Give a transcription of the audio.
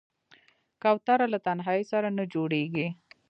کوتره له تنهايي سره نه جوړېږي.